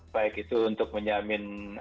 baik itu untuk menyamin